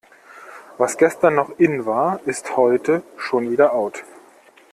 Was gestern noch in war, ist heute schon wieder out.